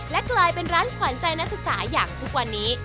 และกลายเป็นร้านขวัญใจนักศึกษาอย่างทุกวันนี้